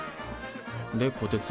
でこてつ。